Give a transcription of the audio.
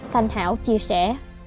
thanh hảo chia sẻ